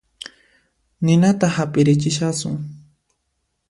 Ninata hap'irichishasun